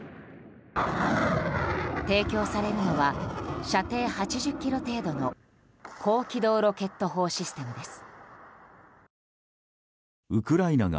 提供されるのは射程８０ｋｍ程度の高機動ロケット砲システムです。